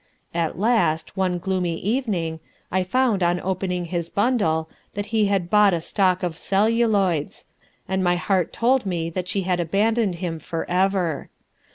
At last, one gloomy evening, I found on opening his bundle that he had bought a stock of celluloids, and my heart told me that she had abandoned him for ever.